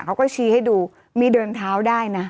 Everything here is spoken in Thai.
เขาก็ชี้ให้ดูมีเดินเท้าได้นะ